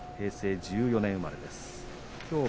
平成１４年生まれです。